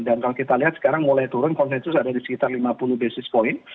dan kalau kita lihat sekarang mulai turun konsensus ada di sekitar lima puluh basis point